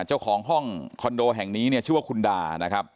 เจ้าของห้องคอนโดแห่งนี้เนี่ยชื่อว่าคุณดานะครับ